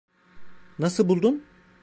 Nasıl buldun?